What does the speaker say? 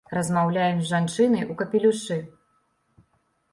Размаўляем з жанчынай ў капелюшы.